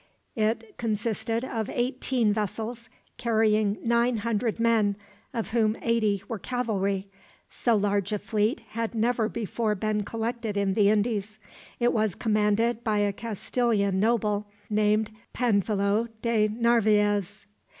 It consisted of eighteen vessels, carrying nine hundred men, of whom eighty were cavalry. So large a fleet had never before been collected in the Indies. It was commanded by a Castilian noble, named Panfilo de Narvaez.